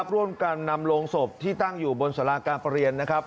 ร่วมกันนำโลงศพที่ตั้งอยู่บนสลากาประเรียน